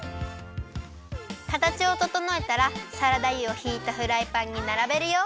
かたちをととのえたらサラダ油をひいたフライパンにならべるよ。